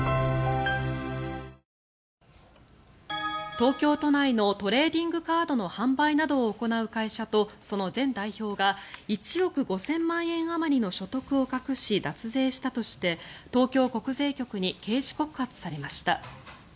東京都内のトレーディングカードの販売などを行う会社とその前代表が１億５０００万円あまりの所得を隠し、脱税したとして東京国税局に刑事告発されました。